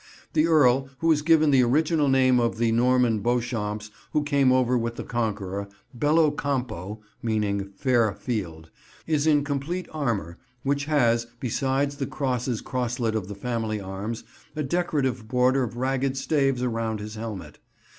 The Earl, who is given the old original name of the Norman Beauchamps who came over with the Conqueror—"Bellocampo," meaning "fair field"—is in complete armour, which has, besides the crosses crosslet of the family arms, a decorative border of ragged staves around his helmet.